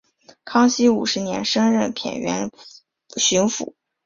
康熙五十年升任偏沅巡抚。